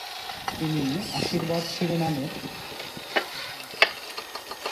তিনি "আশীর্বাদ" শিরোনামের একটি চলচ্চিত্রের পরিচালক।